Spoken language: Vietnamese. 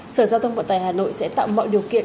sở giao thông vận tải hà nội sẽ tạo mọi điều kiện